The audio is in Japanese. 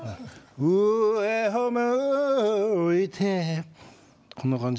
「上を向いて」こんな感じ。